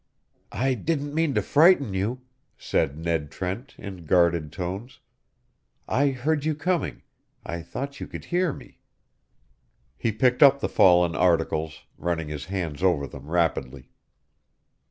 "I didn't mean to frighten you," said Ned Trent, in guarded tones. "I heard you coming. I thought you could hear me." He picked up the fallen articles, running his hands over them rapidly.